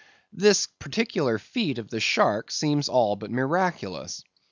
This particular feat of the shark seems all but miraculous.